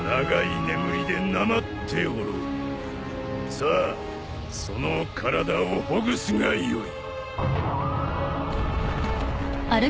さあその体をほぐすがよい。